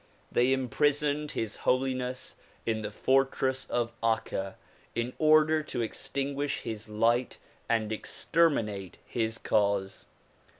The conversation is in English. They imprisoned His Holiness in the fortress of Akka in order to extinguish his light and ex terminate his cause.